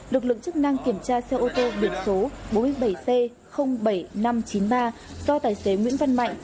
lực lượng chức năng kiểm tra xe ô tô biển số bốn mươi bảy c bảy nghìn năm trăm chín mươi ba do tài xế nguyễn văn mạnh